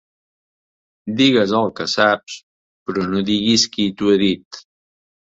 Digues el que saps, però no diguis qui t'ho ha dit.